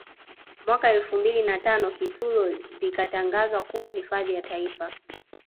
Mwaka elfu mbili na tano Kitulo likatangazwa kuwa hifadhi ya Taifa